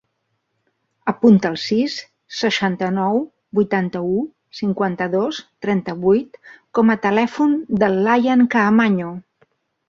Apunta el sis, seixanta-nou, vuitanta-u, cinquanta-dos, trenta-vuit com a telèfon del Lian Caamaño.